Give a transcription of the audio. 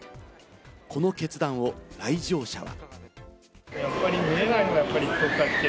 この決断を来場者は。